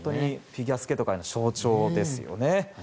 フィギュアスケート界の象徴ですね。